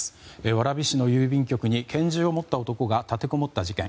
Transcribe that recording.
蕨市の郵便局に拳銃を持った男が立てこもった事件。